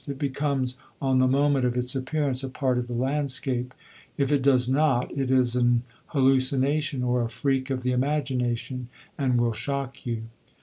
It becomes, on the moment of its appearance, a part of the landscape. If it does not, it is an hallucination, or a freak of the imagination, and will shock you.